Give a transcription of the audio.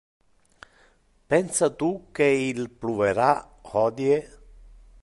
Pensa tu que il pluvera hodie?